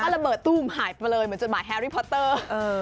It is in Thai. ระเบิดตู้มหายไปเลยเหมือนจดหมายแฮรี่พอตเตอร์